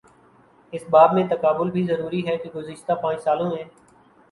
اس باب میں تقابل بھی ضروری ہے کہ گزشتہ پانچ سالوں میں